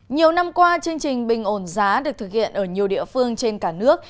nhiều năm qua chương trình bình ổn giá được thực hiện ở nhiều địa phương trên cả nước